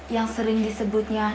yang sering disebutnya